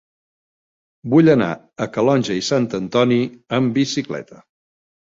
Vull anar a Calonge i Sant Antoni amb bicicleta.